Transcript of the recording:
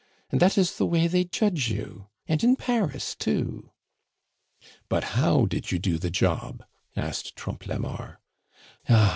And that is the way they judge you! and in Paris too!" "But how did you do the job?" asked Trompe la Mort. "Ah!